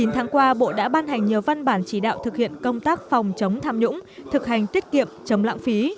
chín tháng qua bộ đã ban hành nhiều văn bản chỉ đạo thực hiện công tác phòng chống tham nhũng thực hành tiết kiệm chống lãng phí